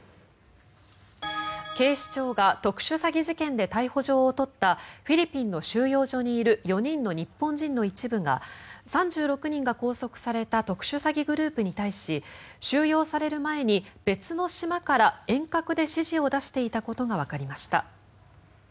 警視庁が特殊詐欺事件で逮捕状を取ったフィリピンの収容所にいる４人の日本人の一部が３６人が拘束された特殊詐欺グループに対し収容される前に別の島から遠隔で指示を出していたことがわかりました。